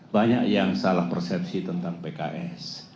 banyak yang salah persepsi tentang pks